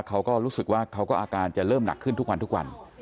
เขาก็รู้สึกว่าเขาก็อาการจะเริ่มหนักขึ้นทุกวันทุกวัน